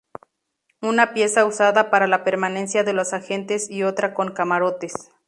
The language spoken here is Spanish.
Una pieza usada para la permanencia de los agentes y otra con camarotes.